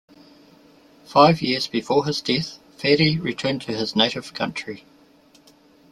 Five years before his death Ferri returned to his native country.